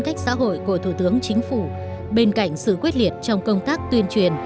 cách xã hội của thủ tướng chính phủ bên cạnh sự quyết liệt trong công tác tuyên truyền